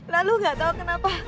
lalu gak tau kenapa